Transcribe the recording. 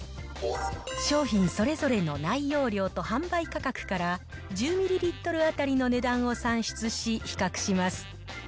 商品それぞれの内容量と販売価格から、１０ミリリットル当たりの値段を算出し、比較します。